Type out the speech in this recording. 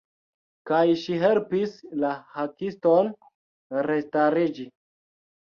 Kaj ŝi helpis la Hakiston restariĝi.